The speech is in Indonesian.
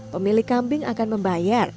pemilik kambing akan membayar